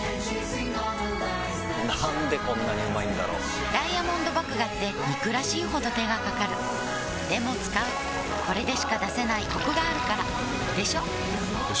なんでこんなにうまいんだろうダイヤモンド麦芽って憎らしいほど手がかかるでも使うこれでしか出せないコクがあるからでしょよ